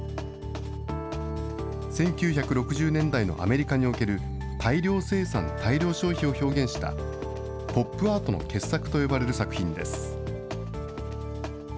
１９６０年代のアメリカにおける大量生産・大量消費を表現した、ポップアートの傑作といわれる作品です。